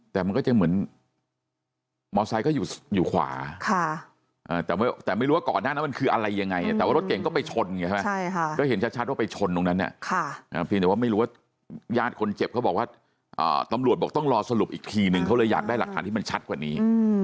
แต่มันก็จะเหมือนมอไซค์ก็อยู่ขวาแต่ไม่รู้ว่าก่อนหน้านั้นมันคืออะไรยังไงแต่ว่ารถเก่งก็ไปชนไงใช่ไหมก็เห็นชัดว่าไปชนตรงนั้นเพียงแต่ว่าไม่รู้ว่าญาติคนเจ็บเขาบอกว่าตำรวจบอกต้องรอสรุปอีกทีนึงเขาเลยอยากได้หลักฐานที่มันชัดกว่านี้